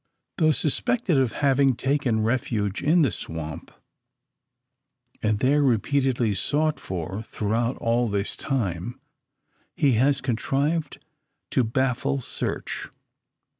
Though suspected of having taken refuge in the swamp, and there repeatedly sought for, throughout all this time he has contrived to baffle search.